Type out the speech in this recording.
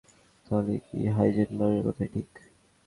তাহলে কি হাইজেনবার্গের কথাই ঠিক।